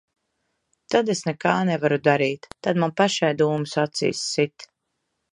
Tad es nekā nevaru darīt. Tad man pašai dūmus acīs sit.